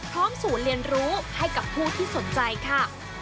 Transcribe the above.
พร้อมสูญเรียนรู้ให้กับผู้ที่สนใจค่ะ